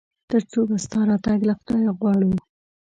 تر څو به ستا راتګ له خدايه غواړو ؟